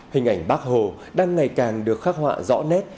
hình ảnh bác hồ đang ngày càng được khắc họa rõ nét